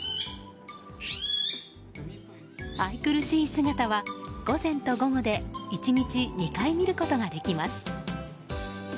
愛くるしい姿は午前と午後で１日２回見ることができます。